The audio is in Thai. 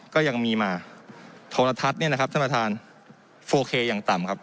ก็ยังมีมาโทรทัศน์เนี่ยนะครับท่านประธานโฟเคอย่างต่ำครับ